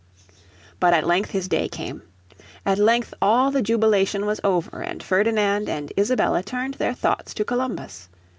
But at length his day came. At length all the jubilation was over, and Ferdinand and Isabella turned their thoughts to Columbus.